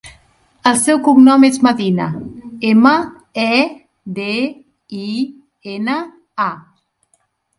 El seu cognom és Medina: ema, e, de, i, ena, a.